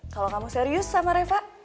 kalau kamu serius sama reva